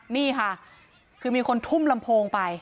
นี่ค่ะคือมีคนทุ่มลำโพงไป